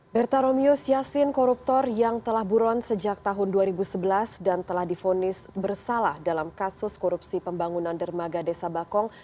berta romius yassin koruptor yang telah buron sejak tahun dua ribu sebelas dan telah difonis bersalah dalam kasus korupsi pembangunan dermaga desa bakong